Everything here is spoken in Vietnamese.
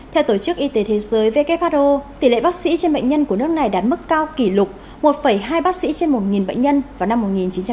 theo tổ chức y tế thế giới who tỷ lệ bác sĩ trên bệnh nhân của nước này đạt mức cao kỷ lục một hai bác sĩ trên một bệnh nhân vào năm một nghìn chín trăm bảy mươi